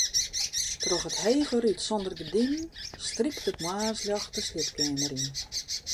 Troch it hege rút sûnder gerdinen strykt it moarnsljocht de sliepkeamer yn.